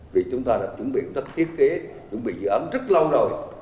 vì chúng ta đã chuẩn bị một cách thiết kế chuẩn bị dự án rất lâu rồi